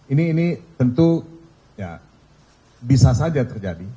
ini tentu ya bisa saja terjadi